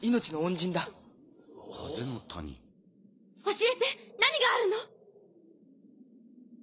教えて何があるの？